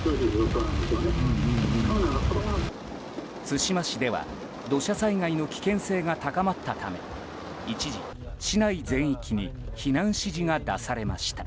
対馬市では土砂災害の危険性が高まったため一時、市内全域に避難指示が出されました。